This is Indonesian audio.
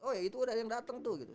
oh ya itu udah yang datang tuh gitu